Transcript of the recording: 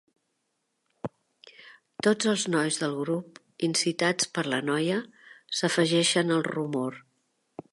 Tots els nois del grup, incitats per la noia, s'afegeixen al rumor.